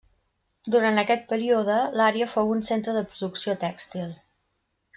Durant aquest període, l'àrea fou un centre de producció tèxtil.